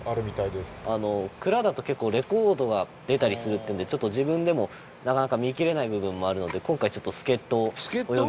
蔵だと結構レコードが出たりするっていうんでちょっと自分でもなかなか見きれない部分もあるので。